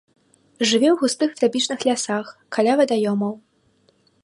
Жыве ў густых трапічных лясах, каля вадаёмаў.